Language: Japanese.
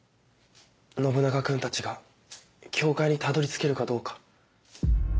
信長君たちが教会にたどり着けるかどうか。